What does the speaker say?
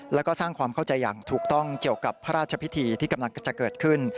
แล้วก็สร้างความเข้าใจอย่างถูกต้องเกี่ยวกับพระราชพิธีที่กำลังจะเกิดขึ้น